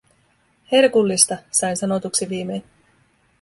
"Herkullista", sain sanotuksi viimein.